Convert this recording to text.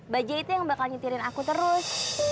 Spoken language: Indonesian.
baja itu yang bakal nyetirin aku terus